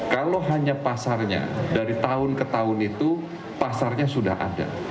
kalau hanya pasarnya dari tahun ke tahun itu pasarnya sudah ada